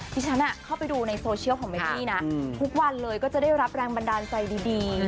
ที่ฉันเข้าไปดูในโซเชียลของเมนี่นะทุกวันเลยก็จะได้รับแรงบันดาลใจดี